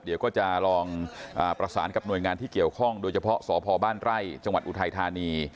เดี๋ยวก็จะลองประสานกับหน่วยงานที่เกี่ยวข้องโดยเฉพาะสพบ้านไร่จังหวัดอุทัยธานี